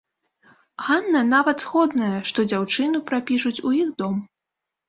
Ганна нават згодная, што дзяўчыну прапішуць у іх дом.